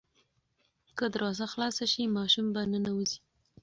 که دروازه خلاصه شي ماشوم به ننوځي.